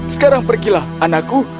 sekarang pergilah anakku